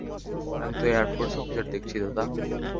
আমি তো air force officer দেখছি দাদা।